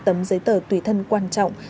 tấm giấy tờ tùy thân quan trọng